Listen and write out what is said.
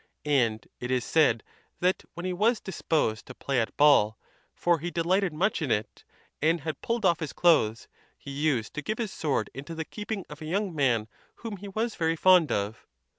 And it is said that when he was dis posed to play at ball—for he delighted much in it—and had pulled off his clothes, he used to give his sword into the keeping of a young man whom he was very fond of.